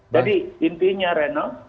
jadi intinya rano